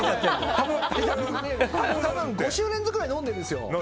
多分５週連続ぐらい飲んでるんですよ。